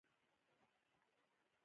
په دې کې د کارکوونکي دندې وي.